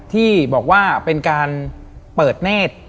ที่บอกว่าเป็นการเปิดเนธ